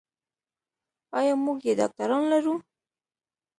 ایا موږ یې ډاکتران لرو.